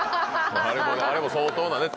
あれも相当なね。